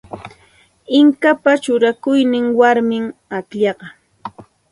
Inkapa shuñakushqan warmim akllaqa.